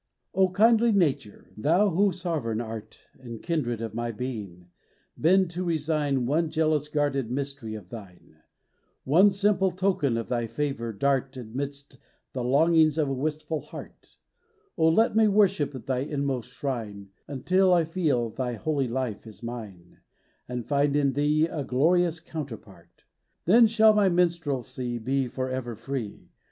O kindly Nature, thou who sovereign art And kindred of my being, bend to resign One jealous guarded mystery of thine; One simple token of thy favor dart Amidst the longings of a wistful heart; O let me worship at thy inmost shrine Until I feel thy holy life is mine And find in thee a glorious counterpart: Then shall ray minstrelsy be ever free.